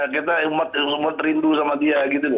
kita umat umat rindu sama dia gitu